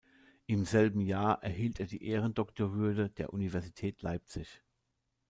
Im selben Jahr erhielt er die Ehrendoktorwürde der Universität Leipzig.